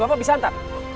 bapak bisa hantar